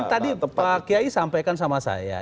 tadi pak kiai sampaikan sama saya